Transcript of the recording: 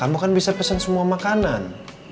kamu kan bisa pesen semua makanan